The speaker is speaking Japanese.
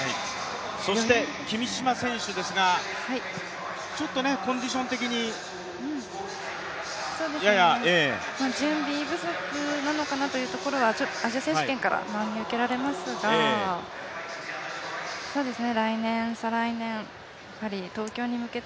そして君嶋選手ですがちょっとコンディション的に、やや準備不足なのかなというところはアジア選手権からも見受けられますがいつものビール何色ですか？